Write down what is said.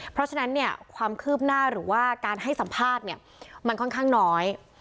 เพราะฉะนั้นเนี่ยความคืบหน้าหรือว่าการให้สัมภาษณ์เนี่ยมันค่อนข้างน้อย